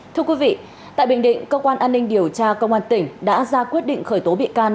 thưa quý vị tại bình định cơ quan an ninh điều tra công an tỉnh đã ra quyết định khởi tố bị can